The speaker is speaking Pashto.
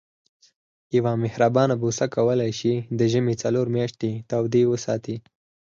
یوه مهربانه بوسه کولای شي د ژمي څلور میاشتې تودې وساتي.